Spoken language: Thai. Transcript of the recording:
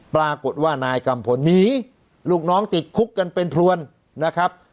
ปรากฏว่านายกัมพลหนีลูกน้องติดคุกกันเป็นพลวนนะครับ